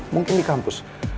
mungkin di kampus